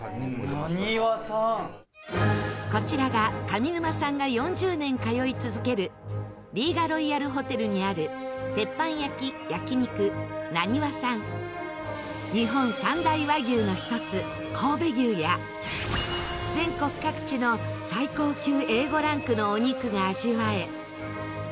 こちらが上沼さんが４０年通い続けるリーガロイヤルホテルにある日本三大和牛の１つ神戸牛や全国各地の最高級Ａ５ランクのお肉が味わえ。